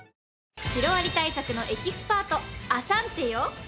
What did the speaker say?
シロアリ対策のエキスパートアサンテよ。